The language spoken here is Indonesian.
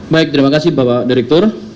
baik terima kasih bapak direktur